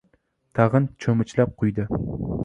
Tag‘in cho‘michlab quydi.